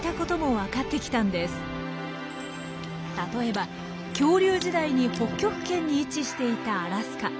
例えば恐竜時代に北極圏に位置していたアラスカ。